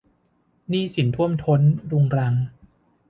หนี้สินท่วมท้นรุงรัง